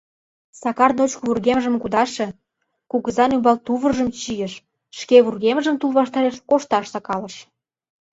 Сакар ночко вургемжым кудаше, кугызан ӱмбал тувыржым чийыш, шке вургемжым тул ваштареш кошташ сакалыш.